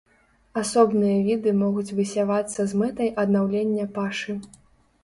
Асобныя віды могуць высявацца з мэтай аднаўлення пашы.